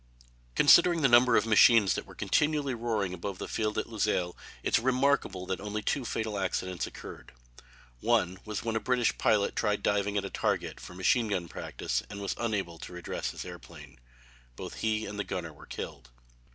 Considering the number of machines that were continually roaring above the field at Luxeuil it is remarkable that only two fatal accidents occurred. One was when a British pilot tried diving at a target, for machine gun practice, and was unable to redress his airplane. Both he and his gunner were killed.